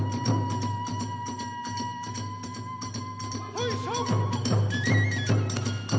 ほいしょ！